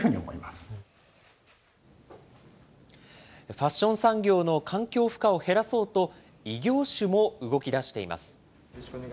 ファッション産業の環境負荷を減らそうと、異業種も動きだしています。